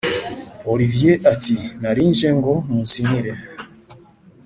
olivier ati”narinje ngo munsinyire